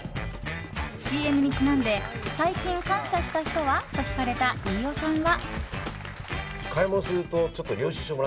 ＣＭにちなんで最近感謝した人は？と聞かれた飯尾さんは。